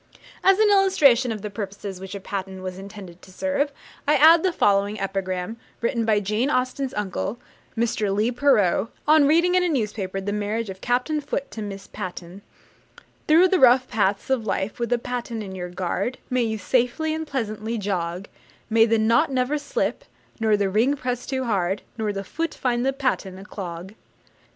As an illustration of the purposes which a patten was intended to serve, I add the following epigram, written by Jane Austen's uncle, Mr. Leigh Perrot, on reading in a newspaper the marriage of Captain Foote to Miss Patten: Through the rough paths of life, with a patten your guard, May you safely and pleasantly jog; May the knot never slip, nor the ring press too hard, Nor the Foot find the Patten a clog.